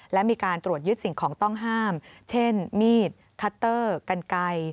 และมีการตรวจยึดสิ่งของต้องห้ามเช่นมีดคัตเตอร์กันไกล